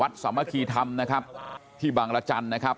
สามัคคีธรรมนะครับที่บางรจันทร์นะครับ